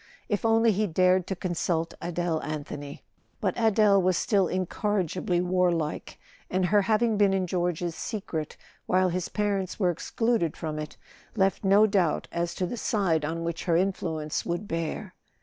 If only he dared to consult Adele Anthony! But Adele was still incorrigibly warlike, and her having been in George's secret while his parents were excluded from it left no doubt as to the side on which her influence would bear.